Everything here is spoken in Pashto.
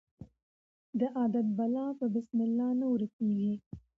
د عادت بلا په بسم الله نه ورکیږي.